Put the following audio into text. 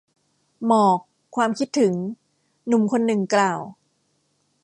หมอก ความคิดถึง หนุ่มคนหนึ่งกล่าว